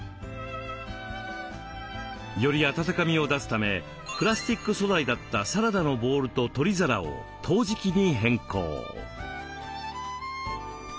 よりあたたかみを出すためプラスチック素材だったサラダのボウルと取り皿を陶磁器に変更。